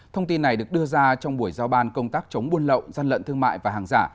thông tin này được đưa ra trong buổi giao ban công tác chống buôn lậu gian lận thương mại và hàng giả